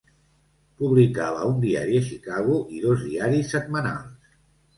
Publicava un diari a Chicago i dos diaris setmanals.